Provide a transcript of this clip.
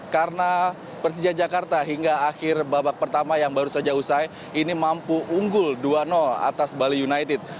karena persija jakarta hingga akhir babak pertama yang baru saja usai ini mampu unggul dua atas bali united